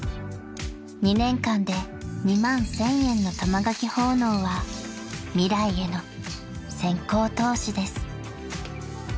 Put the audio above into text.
［２年間で２万１，０００円の玉垣奉納は未来への先行投資です］